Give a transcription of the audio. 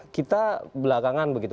kita belakangan begitu